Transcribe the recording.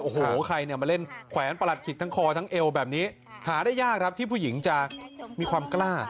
โอ้โหใครเนี่ยมาเล่นแขวนประหลัดฉิกทั้งคอทั้งเอวแบบนี้หาได้ยากครับที่ผู้หญิงจะมีความกล้า